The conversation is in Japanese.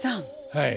はい。